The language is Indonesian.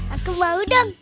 aku mau dong